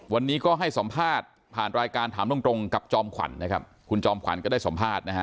วันนี้ก็ให้สัมภาษณ์ผ่านรายการถามตรงตรงกับจอมขวัญนะครับคุณจอมขวัญก็ได้สัมภาษณ์นะฮะ